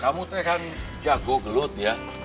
kamu tuh kan jago gelut ya